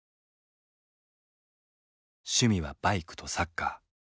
趣味はバイクとサッカー。